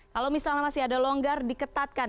kalau misalnya masih ada longgar diketatkan